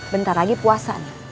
bentar lagi puasa nih